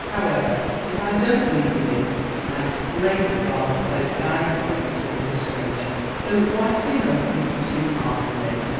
However, if I don'l meet with him, Vd greatly ratlher play ^i(h either of yon than with ft stranger ; though it's likely enough you'd be too hard for me."